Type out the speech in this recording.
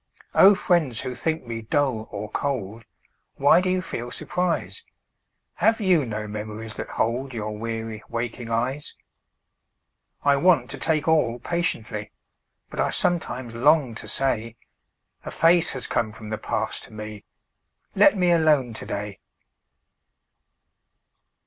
O friends, who think me dull or cold, Why do you feel surprise? Have you no memories that hold Your weary waking eyes? I want to take all patiently, But I sometimes long to say, A Face has come from the Past to me Let me alone to day!